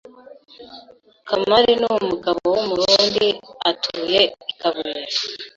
Kamari numugabo wumurundi atuye ikabuye